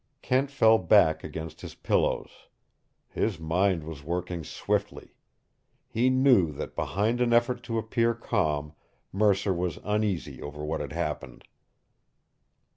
Kent fell back against his pillows. His mind was working swiftly. He knew that behind an effort to appear calm Mercer was uneasy over what had happened.